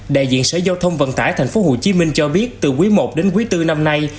đại diện sở giao thông vận tải tp hcm cho biết từ quý i đến quý bốn năm nay